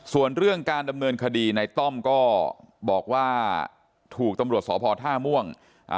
ส่วนเรื่องการดำเนินคดีในต้อมก็บอกว่าถูกตำรวจสพท่าม่วง